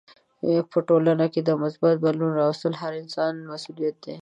په ټولنه کې د مثبت بدلون راوستل هر انسان مسولیت دی.